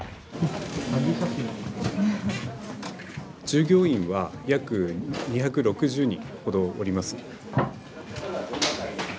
従業員は約２６０人ほどおります。